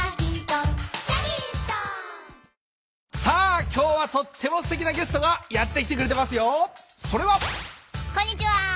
さあ今日はとってもすてきなゲストがやって来てくれてますよ。それは。こんにちは！